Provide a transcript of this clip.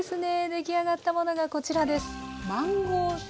出来上がったものがこちらです。